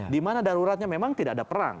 dimana daruratnya memang tidak ada perang